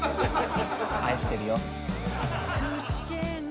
愛してるよ。